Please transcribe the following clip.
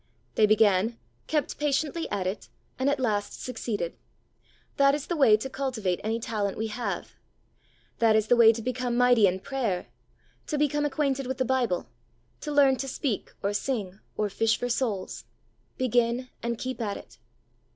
They began, kept patiently at it, and at last succeeded. That is the way to cultivate any talent we have. That is the way to become mighty in prayer, to become acquainted with the Bible, to learn to speak or sing or fish for souls. Begin and keep at it.